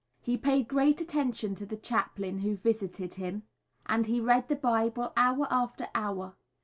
He paid great attention to the chaplain who visited him, and he read the Bible hour after hour.